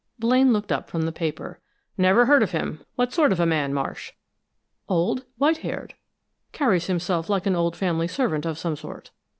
Blaine looked up from the paper. "Never heard of him. What sort of a man, Marsh?" "Old, white haired, carries himself like an old family servant of some sort.